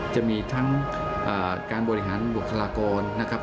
จะมีทั้งการบริหารบุคลากรนะครับ